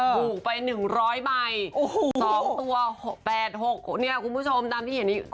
ถูกไป๑๐๐ใบ๒ตัว๖๘๖เนี่ยคุณผู้ชมตามที่เห็นนี้